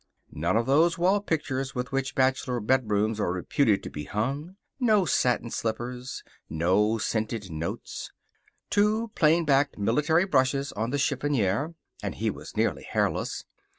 None of those wall pictures with which bachelor bedrooms are reputed to be hung. No satin slippers. No scented notes. Two plain backed military brushes on the chiffonier (and he so nearly hairless!).